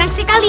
seneng sih kali